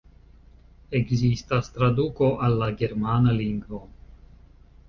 Ekzistas traduko al la germana lingvo.